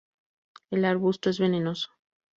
El arbusto es venenoso.